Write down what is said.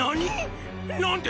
何！？